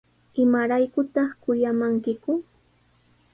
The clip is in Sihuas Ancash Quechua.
¿Imaraykutaq kuyamankiku?